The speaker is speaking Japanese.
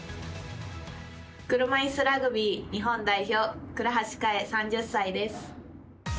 車いすラグビー日本代表倉橋香衣、３０歳です。